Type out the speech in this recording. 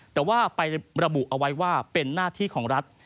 แต่ว่าไประบุเอาไว้ว่าเป็นหน้าที่ของรัฐ